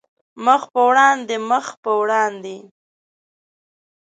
مخ په وړاندې، مخ په وړاندې